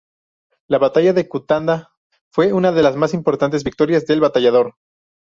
La batalla de Cutanda fue una de las más importantes victorias del Batallador.